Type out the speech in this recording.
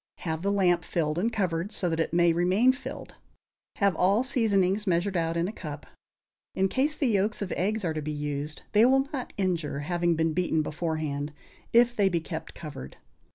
Have the lamp filled and covered, so that it may remain filled. Have all seasonings measured out in a cup. In case the yolks of eggs are to be used, they will not injure, having been beaten beforehand, if they be kept covered.